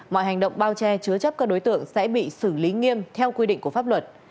mọi hành động bao che chứa chấp các đối tượng sẽ bị xử lý nghiêm theo quy định của pháp luật